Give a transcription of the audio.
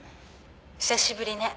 「久しぶりね。